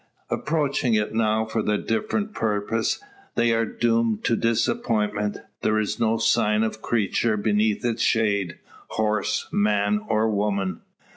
Approaching it now for a different purpose, they are doomed to disappointment. There is no sign of creature beneath its shade horse, man, or woman!